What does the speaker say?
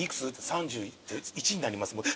３１になります。